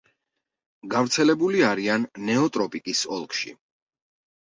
გავრცელებული არიან ნეოტროპიკის ოლქში.